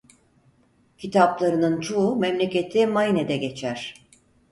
Kitaplarının çoğu memleketi Maine'de geçer.